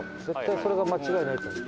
絶対それが間違いないと。